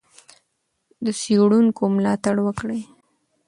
د څېړونکو ملاتړ وکړئ.